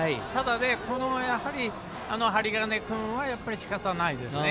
この針金君は、しかたないですね。